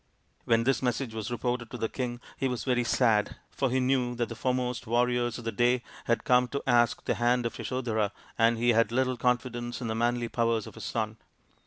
When this message was reported to the king he was very sad, for he knew that the foremost warriors of the day had come to ask the hand of Yasodhara, and he had little confidence in the manly powers of his son.